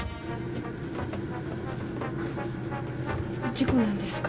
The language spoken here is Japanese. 事故なんですか？